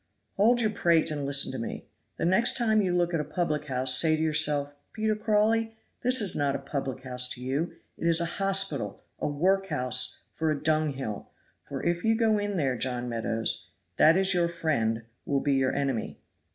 "Hold your prate and listen to me. The next time you look at a public house say to yourself, Peter Crawley, that is not a public house to you it is a hospital, a workhouse, for a dunghill for if you go in there John Meadows, that is your friend, will be your enemy."